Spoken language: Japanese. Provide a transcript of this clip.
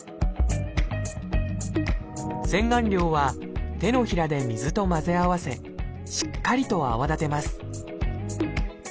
洗顔料は手のひらで水と混ぜ合わせしっかりと泡立てます